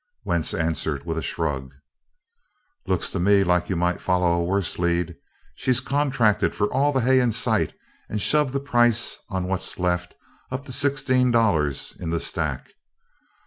Wentz answered with a shrug: "Looks to me like you might follow a worse lead. She's contracted for all the hay in sight and shoved the price on what's left up to sixteen dollars in the stack.